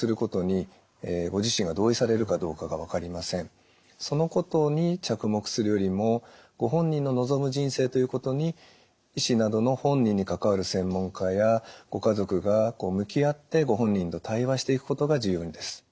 この方の場合そのことに着目するよりもご本人の望む人生ということに医師などの本人に関わる専門家やご家族が向き合ってご本人と対話していくことが重要です。